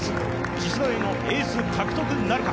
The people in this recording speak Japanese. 次世代のエース獲得なるか。